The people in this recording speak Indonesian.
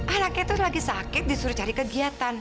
anaknya itu lagi sakit disuruh cari kegiatan